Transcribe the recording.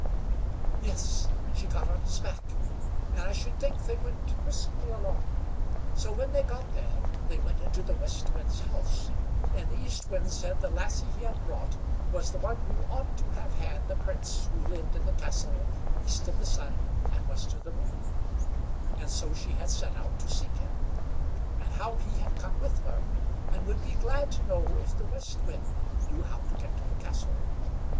Yes, she got on his back, and I should just think they went briskly along. So when they got there, they went into the West Wind's house, and the East Wind said the lassie he had brought was the one who ought to have had the Prince who lived in the castle East of the Sun and West of the Moon; and so she had set out to seek him, and how he had come with her, and would be glad to know if the West Wind knew how to get to the castle.